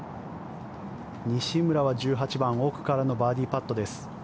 西村は１８番奥からのバーディーパットです。